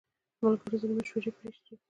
ملګرو ځینې مشورې شریکې کړې.